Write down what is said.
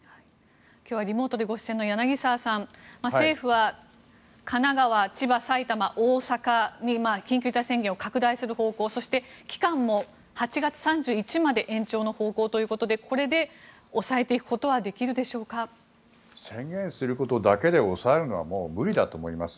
今日はリモートでご出演の柳澤さん政府は神奈川、千葉、埼玉大阪に緊急事態宣言を拡大する方向そして期間も８月３１日まで延長の方向ということでこれで抑えていくことは宣言することだけで抑えるのはもう無理だと思います。